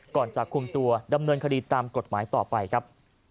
ก่อนจะคุมตัวดำเนินคดีตามกฎหมายต่อไปครับ